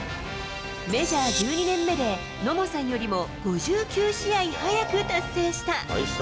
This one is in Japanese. メジャー１２年目で、野茂さんよりも５９試合早く達成した。